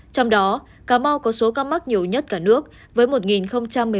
trong đó cà mau có số ca mắc nhiều nhất cả nước với một một mươi tám ca